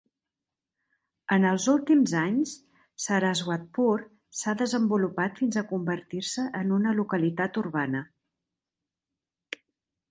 En els últims anys, Saraswatpur s'ha desenvolupat fins a convertir-se en una localitat urbana.